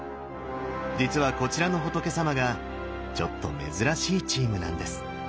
実はこちらの仏さまがちょっと珍しいチームなんです。